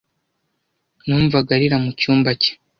Numvaga arira mu cyumba cye.